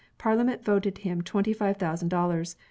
Parliament voted him twenty five thousand dollars.